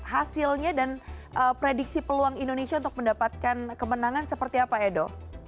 hasilnya dan prediksi peluang indonesia untuk mendapatkan kemenangan seperti apa edo